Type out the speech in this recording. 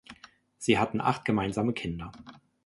Sie hatten acht gemeinsame Kinder.